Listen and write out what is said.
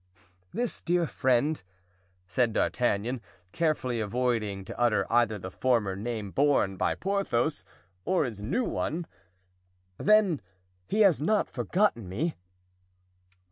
"This dear friend," said D'Artagnan, carefully avoiding to utter either the former name borne by Porthos or his new one, "then he has not forgotten me?"